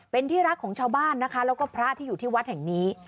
เป็นที่รักของชาวบ้านนะคะแล้วก็พระที่อยู่ที่วัดแห่งนี้